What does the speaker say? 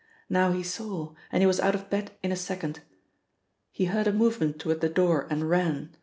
Now he saw, and was out of bed in a second. He heard a movement toward the door and ran.